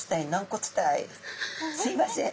すいません。